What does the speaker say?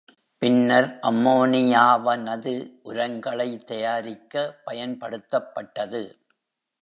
பின்னர் அம்மோனியாவனது உரங்களை தயாரிக்க பயன்படுத்தப்பட்டது.